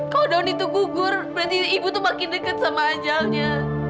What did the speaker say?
kalau daun itu gugur berarti ibu tuh makin dekat sama ajalnya